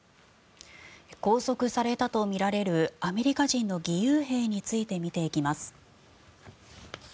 拘束されたとみられるアメリカ人の義勇兵について見ていきます。